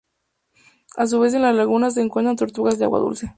A su vez en la laguna se encuentran tortugas de agua dulce.